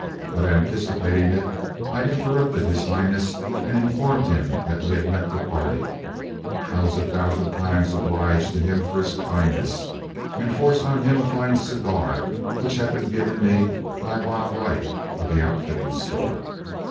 But anticipating it, I interrupted his highness and informed him that we had met the party; I was a thousand times obliged to him for his kindness, and forced on him a fine cigar, which had been given me by Bob Wright of the outfitting store.